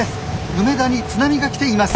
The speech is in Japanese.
梅田に津波が来ています！